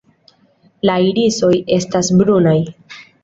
La irisoj estas brunaj.